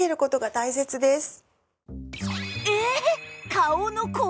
えっ！？